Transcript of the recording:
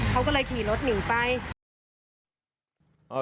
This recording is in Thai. เขาก็เลยขี่รถหนีไป